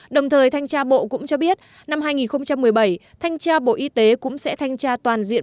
đồng thời thanh tra bộ cũng cho biết năm hai nghìn một mươi bảy thanh tra bộ y tế cũng sẽ thanh tra toàn diện